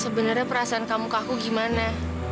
sebenarnya perasaan kamu ke aku gimana